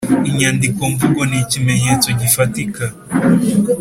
inyandikomvugo nikimenyetso gifatika